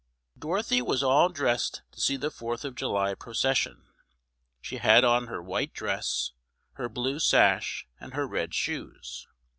DOROTHY was all dressed to see the Fourth of July procession. She had on her white dress, her blue sash, and her red shoes.